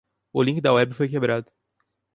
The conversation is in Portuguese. O link da web foi quebrado.